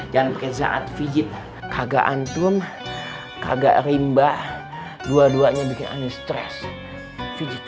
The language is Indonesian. jangan pake saat pijit kagak antum kagak rimba dua duanya bikin aneh stress pijit